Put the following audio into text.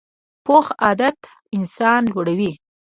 پوخ عادت انسان لوړوي